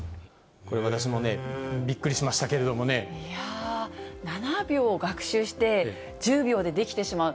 これ、私もね、びっくりしまいやー、７秒学習して、１０秒でできてしまう。